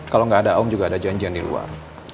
kalau nggak ada om juga ada janjian di luar